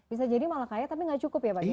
bisa jadi malah kaya tapi nggak cukup ya pak ya